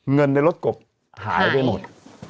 เงินในรถกบหายไปหมด